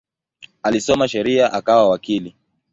Alisoma sheria akawa wakili.